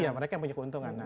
ya mereka yang punya keuntungan